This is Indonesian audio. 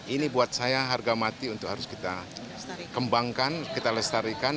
ini buat saya harga mati untuk harus kita kembangkan kita lestarikan